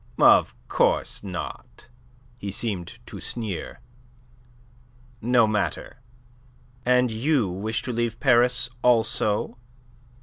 "Of course not." He seemed to sneer. "No matter. And you wish to leave Paris also?